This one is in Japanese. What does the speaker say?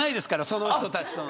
その人たちとの。